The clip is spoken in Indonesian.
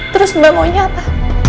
terus mbak maunya apa